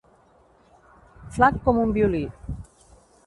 Flac com un violí.